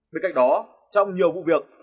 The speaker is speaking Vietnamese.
bên cạnh đó trong nhiều vụ việc